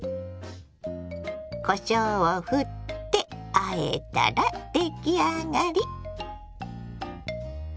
こしょうをふってあえたら出来上がり。